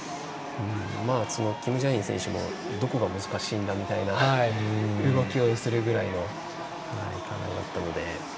キム・ジャイン選手もどこが難しいんだみたいな動きをするぐらいの感じだったので。